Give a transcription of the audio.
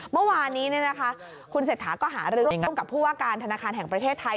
เมื่อวานนี้คุณเศรษฐาก็หารือร่วมกับผู้ว่าการธนาคารแห่งประเทศไทย